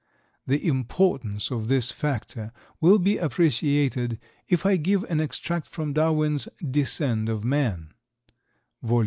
The importance of this factor will be appreciated if I give an extract from Darwin's "Descent of Man" (Vol.